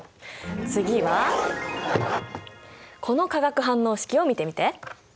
次はこの化学反応式を見てみて！